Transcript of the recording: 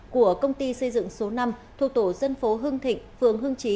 của công ty xây dựng số năm thuộc tổ dân phố hưng thịnh phường hương trí